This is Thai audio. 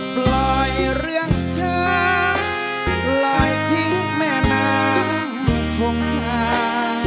ปล่อยเรื่องช้างลอยทิ้งแม่นางคงหา